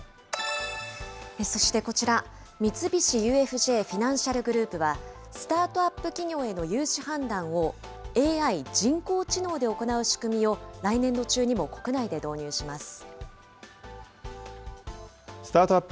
そして、こちら、三菱ＵＦＪフィナンシャル・グループは、スタートアップ企業への融資判断をＡＩ・人工知能で行う仕組みをスタートアップ